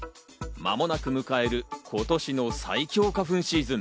間もなく迎える今年の最強花粉シーズン。